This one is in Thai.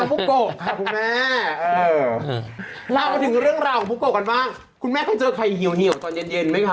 เออเล่าถึงเรื่องราวของปุ๊บโกะกันมากคุณแม่เคยเจอไข่เหี่ยวเหี่ยวตอนเย็นเย็นไหมคะ